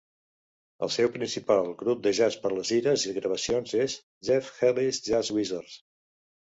El seu principal grup de jazz per les gires i gravacions és "Jeff Healey's Jazz Wizards".